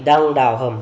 đồng đào hầm